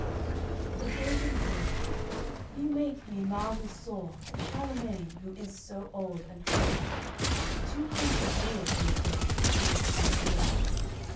XLI The pagan says: "You make me marvel sore At Charlemagne, who is so old and hoar; Two hundred years, they say, he's lived and more.